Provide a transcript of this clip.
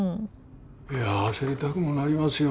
いや焦りたくもなりますよ。